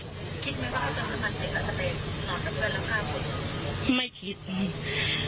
คิดไหมว่าเขาจะมาสิ่งอาจจะไปหนอกับเพื่อนและฆ่าคน